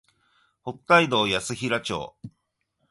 北海道安平町